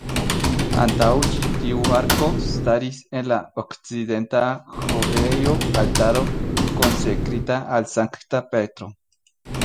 Antaŭ ĉi tiu arko staris en la okcidenta ĥorejo altaro konsekrita al Sankta Petro.